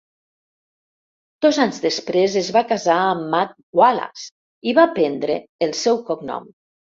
Dos anys després es va casar amb Matt Wallace i va prendre el seu cognom.